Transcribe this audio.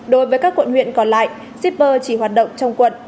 đối với các quận huyện còn lại shipper chỉ hoạt động trong quận